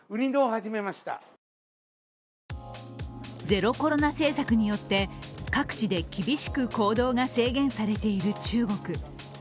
ゼロコロナ政策によって各地で厳しく行動が制限されている中国。